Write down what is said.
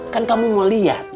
kan kamu mau lihat